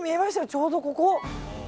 ちょうどここ。